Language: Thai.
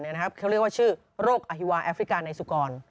เขาเรียกว่าชื่อโรคอฮิวาแอฟริกาในสุกร